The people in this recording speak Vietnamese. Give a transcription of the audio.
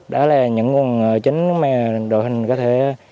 đó là những nguồn chính mà đội hình có thể